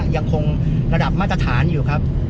ยังคงระดับมาตรฐานอยู่ครับ